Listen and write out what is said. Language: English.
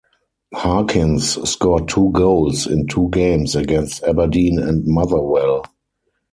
Harkins scored two goals in two games against Aberdeen and Motherwell.